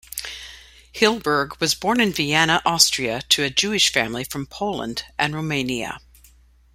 Hilberg was born in Vienna, Austria, to a Jewish family from Poland and Romania.